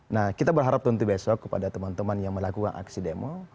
nah kita berharap tentu besok kepada teman teman yang melakukan aksi demo